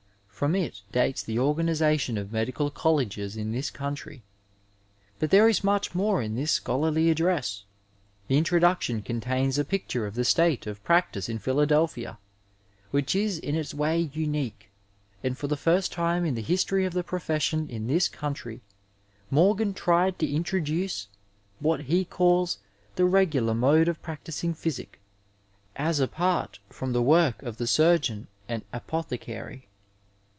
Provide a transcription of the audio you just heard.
From it dates the organiza tion of medical colleges in this country, but there is much more in this scholarly address. The introduction contains a picture of the state of practice in Philadelphia which is in its way unique, and for the first time in the history of the profession in this country Morgan tried to introduce what he calls the regular mode of practising physic, as apart from the work of the surgeon and apothe cary.